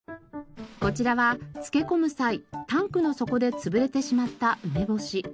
こちらは漬け込む際タンクの底で潰れてしまった梅干し。